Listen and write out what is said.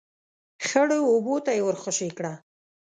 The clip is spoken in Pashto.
، خړو اوبو ته يې ور خوشی کړه.